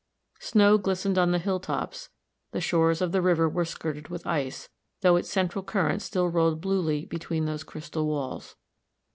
Snow glistened on the hilltops, the shores of the river were skirted with ice, though its central current still rolled bluely between those crystal walls.